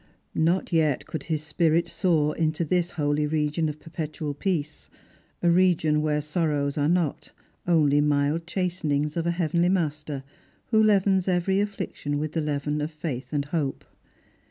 3213 Not yet could his spirit soar into this holy region of perpetual peace ; a region where sorrows are not, only mild chastenings o! a heavenly Master, who leavens every affliction with the leaven of faith and hope.